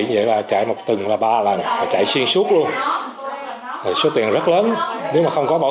như vậy là chạy một tuần là ba lần chạy xiên suốt luôn số tiền rất lớn nếu mà không có bảo